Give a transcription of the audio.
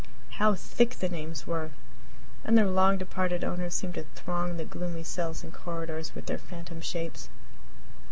How thick the names were! And their long departed owners seemed to throng the gloomy cells and corridors with their phantom shapes.